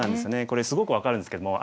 これすごく分かるんですけども。